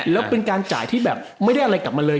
แล้วเป็นการจ่ายที่แบบไม่ได้อะไรกลับมาเลย